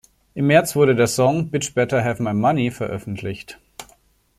Im März wurde der Song "Bitch Better Have My Money" veröffentlicht.